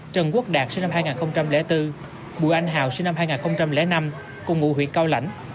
trần quốc đạt sinh năm hai nghìn bốn bùi anh hào sinh năm hai nghìn năm cùng ngụ huyện cao lãnh